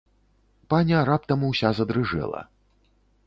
Паня раптам уся задрыжэла.